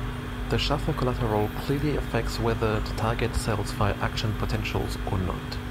The Schaffer collateral clearly affects whether the target cells fire action potentials or not.